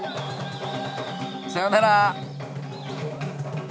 さよなら！